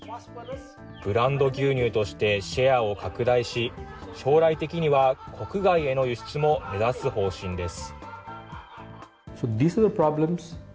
ブランド牛乳としてシェアを拡大し、将来的には国外への輸出も目指す方針です。